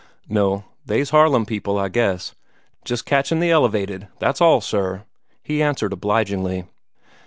"No; they's Harlem people, I guess jes' catchin' the Elevated that's all, sir," he answered obligingly.